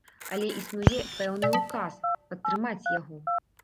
Але існуе пэўны ўказ, падтрымаць яго.